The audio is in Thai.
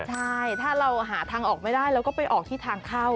ใช่ถ้าเราหาทางออกไม่ได้เราก็ไปออกที่ทางเข้า